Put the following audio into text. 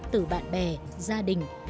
từ bạn bè gia đình